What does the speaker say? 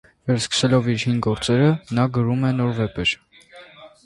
Վերսկսելով իր հին գործերը՝ նա գրում է նոր վեպեր։